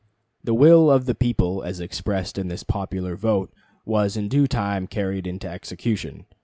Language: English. The will of the people as expressed in this popular vote was in due time carried into execution.